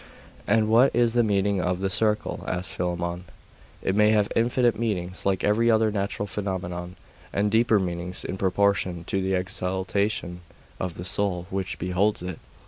'And what is the meaning of the circle?' asked Philammon. 'It may have infinite meanings, like every other natural phenomenon; and deeper meanings in proportion to the exaltation of the soul which beholds it.